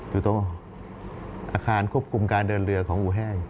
อยู่ตรงอาคารควบคุมการเดินเรือของอูแห้ง